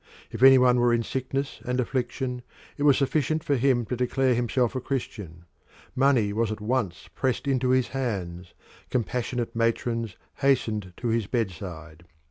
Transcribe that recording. If any one were in sickness and affliction it was sufficient for him to declare himself a Christian: money was at once pressed into his hands: compassionate matrons hastened to his bedside.